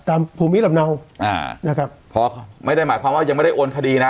ภูมิลำเนาอ่านะครับพอไม่ได้หมายความว่ายังไม่ได้โอนคดีนะ